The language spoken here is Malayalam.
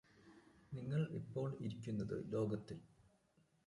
നിങ്ങള് ഇപ്പോൾ ഇരിക്കുന്നത് ലോകത്തിൽ